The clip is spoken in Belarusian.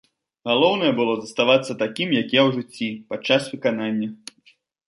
Галоўнае было заставацца такім, які я ў жыцці, падчас выканання.